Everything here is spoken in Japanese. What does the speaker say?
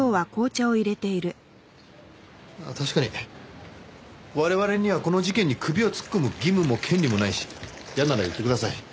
まあ確かに我々にはこの事件に首を突っ込む義務も権利もないし嫌なら言ってください。